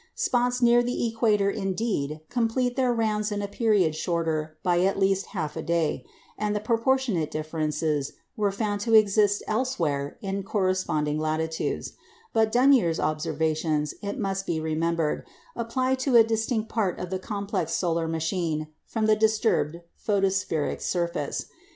Spots near the equator indeed complete their rounds in a period shorter by at least half a day; and proportionate differences were found to exist elsewhere in corresponding latitudes; but Dunér's observations, it must be remembered, apply to a distinct part of the complex solar machine from the disturbed photospheric surface.